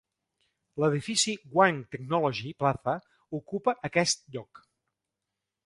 L'edifici One Technology Plaza ocupa aquest lloc.